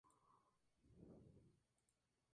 El Arda es otro de los afluentes.